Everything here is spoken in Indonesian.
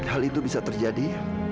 hal itu bisa terjadi